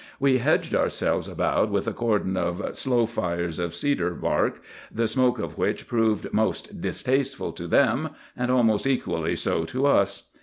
We hedged ourselves about with a cordon of slow fires of cedar bark, the smoke of which proved most distasteful to them, and almost equally so to us.